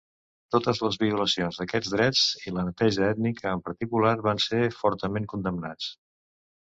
Totes les violacions d'aquests drets, i la neteja ètnica en particular, van ser fortament condemnats.